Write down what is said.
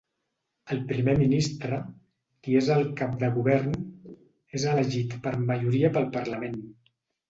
El primer ministre, qui és el cap de govern, és elegit per majoria pel parlament.